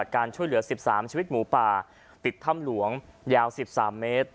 การช่วยเหลือสิบสามชีวิตหมูป่าติดถ้ำหลวงยาวสิบสามเมตร